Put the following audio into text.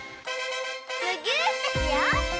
むぎゅーってしよう！